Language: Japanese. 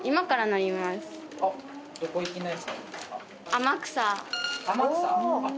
天草？